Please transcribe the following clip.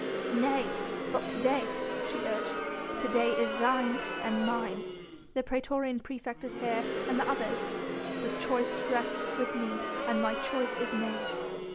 "Nay! but to day," she urged, "to day is thine and mine.... The praetorian praefect is here and the others ... the choice rests with me and my choice is made....